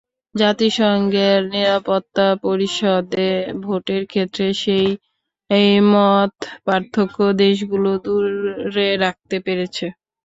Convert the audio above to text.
জাতিসংঘের নিরাপত্তা পরিষদে ভোটের ক্ষেত্রে সেই মতপার্থক্য দেশগুলো দূরে রাখতে পেরেছে।